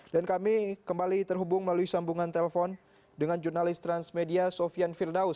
dan kami kembali terhubung melalui sambungan telepon dengan jurnalistik transmedia sofian firdaus